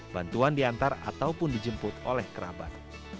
bantuan diantar ataupun dijemput oleh kerabat